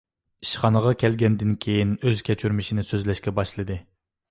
ئىشخانىغا كەلگەندىن كېيىن ئۆز كەچۈرمىشىنى سۆزلەشكە باشلىدى.